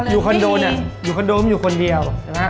อยู่คอนโดนอยู่คนเดียว